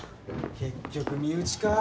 結局身内か。